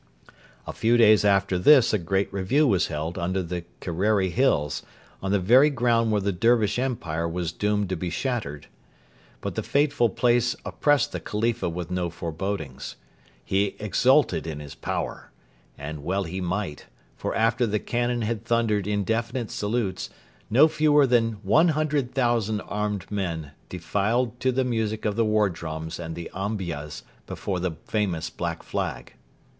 A few days after this a great review was held under the Kerreri hills, on the very ground where the Dervish Empire was doomed to be shattered. But the fateful place oppressed the Khalifa with no forebodings. He exulted in his power: and well he might, for after the cannon had thundered indefinite salutes, no fewer than 100,000 armed men defiled to the music of the war drums and the ombyas before the famous Black Flag.